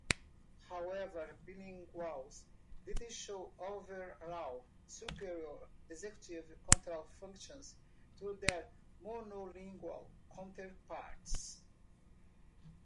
However, bilinguals did show overall superior executive control functions to their monolingual counterparts.